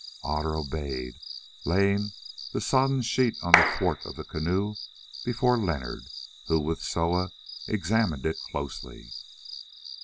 Otter obeyed, laying the sodden sheet on the thwart of the canoe before Leonard, who with Soa examined it closely.